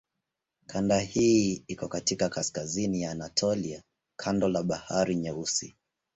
Kanda hii iko katika kaskazini ya Anatolia kando la Bahari Nyeusi.